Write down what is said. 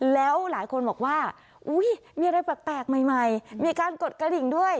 แล้วหลายคนบอกว่ามีอะไรแปลกใหม่มีการกดกระดิ่งด้วย